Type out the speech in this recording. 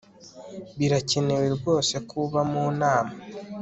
Birakenewe rwose ko uba mu nama